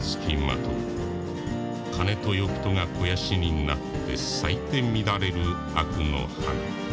金と欲とが肥やしになって咲いて乱れる悪の花。